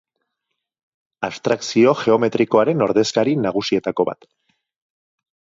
Abstrakzio geometrikoaren ordezkari nagusietako bat.